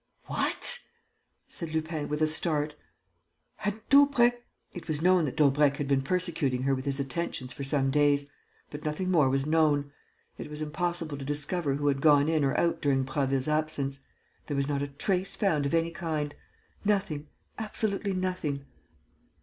"What!" said Lupin, with a start. "Had Daubrecq...." "It was known that Daubrecq had been persecuting her with his attentions for some days; but nothing more was known. It was impossible to discover who had gone in or out during Prasville's absence. There was not a trace found of any kind: nothing, absolutely nothing."